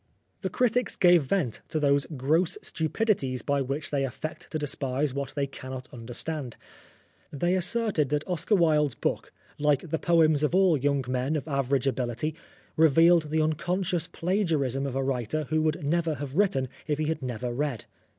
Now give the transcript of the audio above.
The critics gave vent to those gross stupidities by which they affect to despise what they cannot understand. They asserted that Oscar Wilde's book, like the poems of all young men of average ability, revealed the unconscious plagiarism of a writer who would never have written if he had never read.